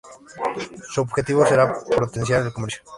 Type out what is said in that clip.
Su objetivo será potenciar el comercio.